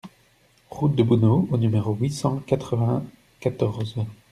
Route de Bouneau au numéro huit cent quatre-vingt-quatorze